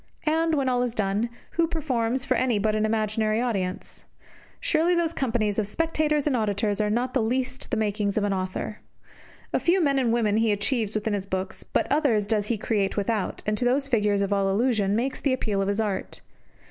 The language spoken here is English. And, when all is done, who performs for any but an imaginary audience? Surely those companies of spectators and of auditors are not the least of the makings of an author. A few men and women he achieves within his books; but others does he create without, and to those figures of all illusion makes the appeal of his art.